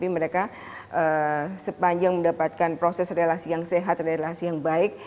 mereka sepanjang mendapatkan proses relasi yang sehat relasi yang baik